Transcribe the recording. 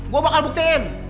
gue bakal buktiin